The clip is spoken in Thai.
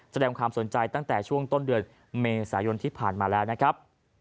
แสดงความสนใจตั้งแต่ช่วงต้นเดือนเมษายนที่ผ่านมาแล้วนะครับ